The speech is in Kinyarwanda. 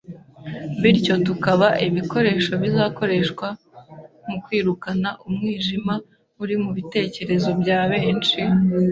bityo tukaba ibikoresho bizakoreshwa mu kwirukana umwijima uri mu bitekerezo bya benshi,